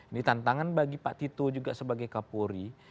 ini tantangan bagi pak tito juga sebagai kapolri